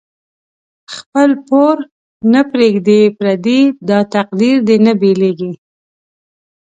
خپل پور نه پریږدی پردی، داتقدیر دی نه بیلیږی